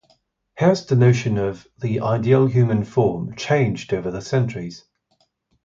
Has the notion of the ideal human form changed over the centuries?